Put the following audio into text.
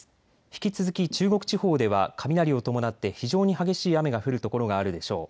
引き続き中国地方では雷を伴って非常に激しい雨が降る所があるでしょう。